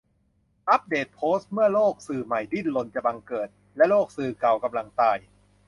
อัปเดตโพสต์ "เมื่อโลกสื่อใหม่ดิ้นรนจะบังเกิด และโลกสื่อเก่ากำลังตาย ?"